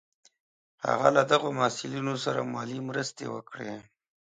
هغه له دغو محصلینو سره مالي مرستې وکړې.